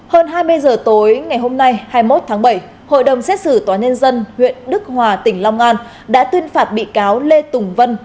hơn hai mươi giờ tối ngày hôm nay hai mươi một tháng bảy hội đồng xét xử tòa nhân dân huyện đức hòa tỉnh long an đã tuyên phạt bị cáo lê tùng vân